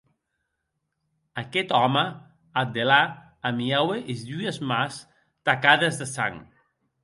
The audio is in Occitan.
Aqueth òme, ath delà, amiaue es dues mans tacades de sang.